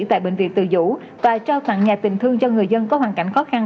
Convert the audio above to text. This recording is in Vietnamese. tại bệnh viện từ dũ và trao tặng nhà tình thương cho người dân có hoàn cảnh khó khăn